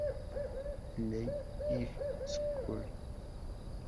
Lee High School.